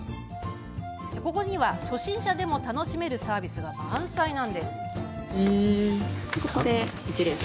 ここには、初心者でも楽しめるサービスが満載なんです。